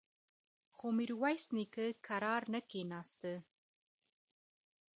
خو ميرويس نيکه کرار نه کېناسته.